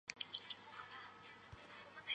西区位于嘉义市西隅。